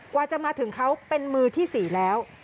กว่าจะมาถึงเขาเป็นมือที่๔แล้ว